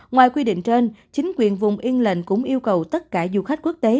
ngoài quy định trên chính quyền vùng yên lệnh cũng yêu cầu tất cả du khách quốc tế